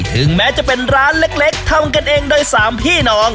ถึงแม้จะเป็นร้านเล็กทำกันเองโดยสามพี่น้อง